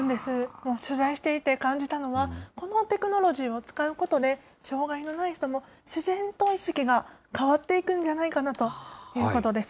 もう取材していて感じたのは、このテクノロジーを使うことで、障害のない人も自然と意識が変わっていくんじゃないかなということです。